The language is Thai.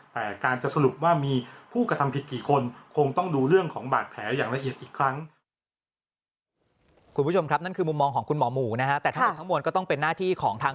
แต่การจะสรุปว่ามีผู้กระทำผิดกี่คนคงต้องดูเรื่องของบาดแผลอย่างละเอียดอีกครั้ง